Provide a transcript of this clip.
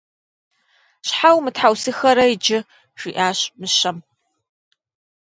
Щхьэ умытхьэусыхэрэ иджы? – жиӏащ мыщэм.